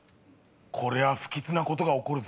こりゃ不吉なことが起こるぞ。